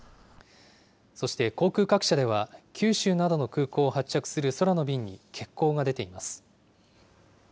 そして、航空各社では九州などの空港を発着する空の便に欠航が出ています。